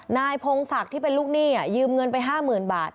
นายพงศักดิ์ที่เป็นลูกหนี้อ่ะยืมเงินไปห้าหมื่นบาท